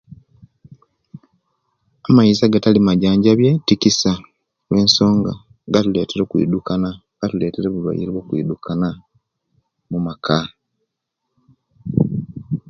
Amaizi agatali maijanjabiye tikisa lwansonga gatuletera okwidukana gatuletera obulwaire obwo okwidukana omumaka